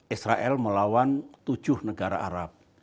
israel melawan tujuh negara arab